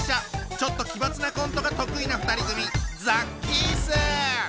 ちょっと奇抜なコントが得意な２人組！